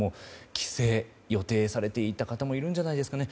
帰省を予定されていた方もいるんじゃないですかね。